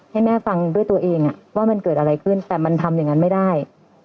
ให้แม่ฟังด้วยตัวเองว่ามันเกิดอะไรขึ้นแต่มันทำอย่างนั้นไม่ได้